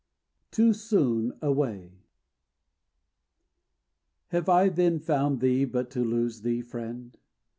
TOO SOON AWAY Have I then found thee but to lose thee, friend?